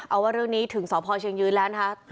เอาว่าเรื่องนี้ถึงสพเชียงยืนแล้วนะคะ